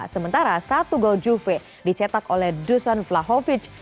sementara satu gol juve dicetak oleh dusan flahovic